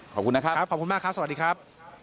ขอบคุณนะครับครับขอบคุณมากครับสวัสดีครับ